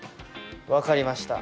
分かりました。